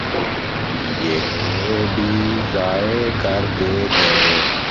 یہ بھی ضائع کر دیں گے۔